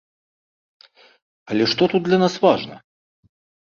Але што тут для нас важна?